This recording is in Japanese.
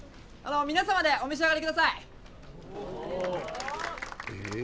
あの皆さまでお召し上がりください。